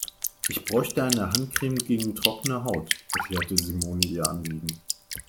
Ich bräuchte eine Handcreme gegen trockene Haut, erklärte Simone ihr Anliegen.